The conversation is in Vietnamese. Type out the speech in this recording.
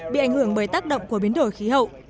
bị ảnh hưởng bởi tác động của biến đổi khí hậu